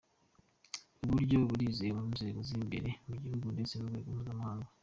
Ubu buryo burizewe ku rwego rw’imbere mu gihugu ndetse n’urwego mpuzamahanga.